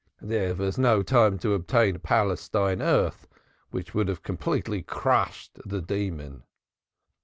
There was no time to obtain Palestine earth, which would have completely crushed the demon."